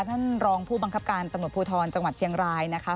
ท่านรองผู้บังคับการตำรวจภูทรจังหวัดเชียงรายนะคะ